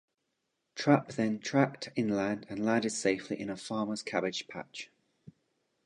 Trappe then tracked inland, and landed safely in a farmer's cabbage patch.